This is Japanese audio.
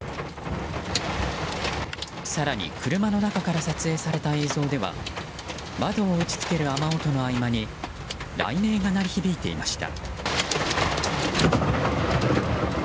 更に車の中から撮影された映像では窓を打ち付ける雨音の合間に雷鳴が鳴り響いていました。